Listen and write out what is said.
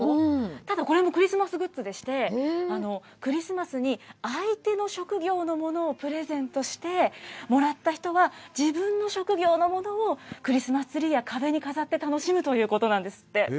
ただ、これもクリスマスグッズでして、クリスマスに、相手の職業のものをプレゼントして、もらった人は、自分の職業のものを、クリスマスツリーや壁に飾って楽しむということなんですって。